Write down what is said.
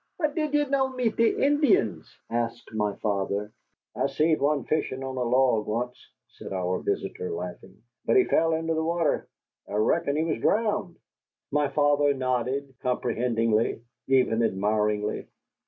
"But did you no' meet the Indians?" asked my father. "I seed one fishing on a log once," said our visitor, laughing, "but he fell into the water. I reckon he was drowned." My father nodded comprehendingly, even admiringly.